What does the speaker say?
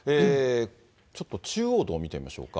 ちょっと中央道見てみましょうか。